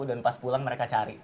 dan pas pulang mereka cari